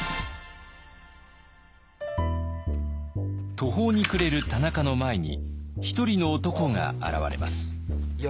途方に暮れる田中の前に一人の男が現れます。